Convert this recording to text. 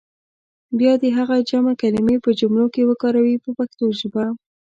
بیا دې هغه جمع کلمې په جملو کې وکاروي په پښتو ژبه.